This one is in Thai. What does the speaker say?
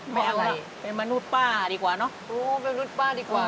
ไม่อะไรเป็นมนุษย์ป้าดีกว่าเนอะโอ้เป็นมนุษย์ป้าดีกว่า